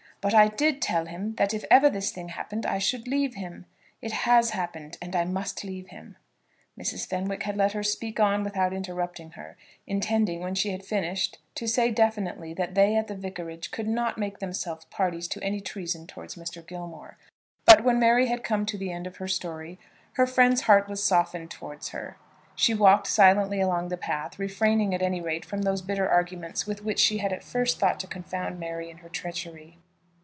But I did tell him that if ever this thing happened I should leave him. It has happened, and I must leave him." Mrs. Fenwick had let her speak on without interrupting her, intending when she had finished, to say definitely, that they at the vicarage could not make themselves parties to any treason towards Mr. Gilmore; but when Mary had come to the end of her story her friend's heart was softened towards her. She walked silently along the path, refraining at any rate from those bitter arguments with which she had at first thought to confound Mary in her treachery.